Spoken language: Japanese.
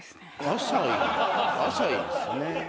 浅いですね。